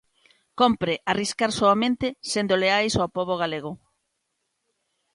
Cómpre arriscar soamente sendo leais ao pobo galego!